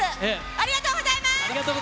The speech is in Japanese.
ありがとうございます。